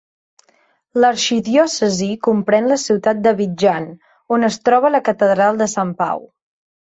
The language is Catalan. L'arxidiòcesi comprèn la ciutat d'Abidjan, on es troba la catedral de Sant Pau.